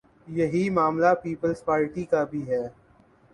یہی معاملہ پیپلزپارٹی کا بھی ہے۔